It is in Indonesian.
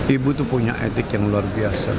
ibu tuh punya etik yang luar biasa